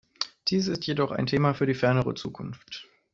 Dies ist jedoch ein Thema für die fernere Zukunft.